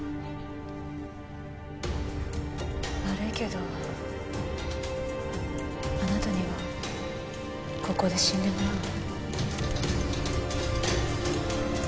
悪いけどあなたにはここで死んでもらうわ。